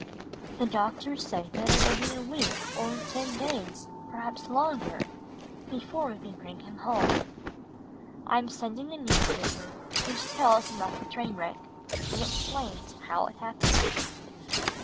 The doctors say that it will he a week or ten days, perhaps longer, before %ve can bring him home. I am sending a newspaper which tells about the train wreck and explains how it happened.